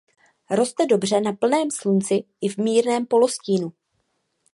Roste dobře na plném slunci i v mírném polostínu.